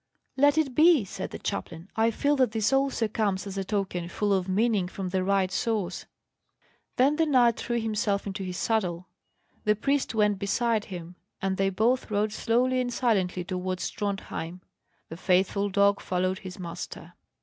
"Let it be," said the chaplain. "I feel that this also comes as a token full of meaning from the right source." Then the knight threw himself into his saddle; the priest went beside him; and they both rode slowly and silently towards Drontheim. The faithful dog followed his master.